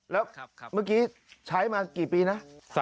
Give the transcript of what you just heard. แล้วเมื่อกี้ใช้มากี่ปีนะ